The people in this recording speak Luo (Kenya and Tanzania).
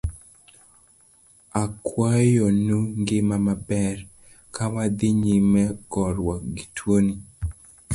Akwayonu ngima maber, kawadhi nyime goruok gi tuoni.